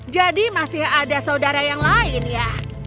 masih ada saudara yang lain ya